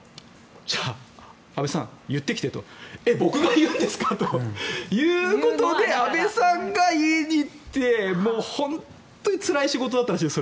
じゃあ安倍さん、言ってきてと。え、僕が言うんですか？ということで安倍さんが言いに行ってもう本当につらい仕事だったらしいですよ。